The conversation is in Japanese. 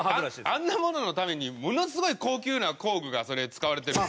あんなもののためにものすごい高級な工具がそれ使われてる。